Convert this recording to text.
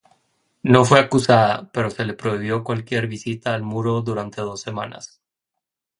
No fue acusada, pero se le prohibió cualquier visita al Muro durante dos semanas.